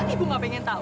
ibu gak pengen tahu